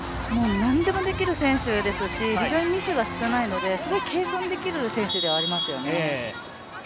なんでもできる選手ですし、非常にミスが少ないので、軽快にできる選手ではありますね。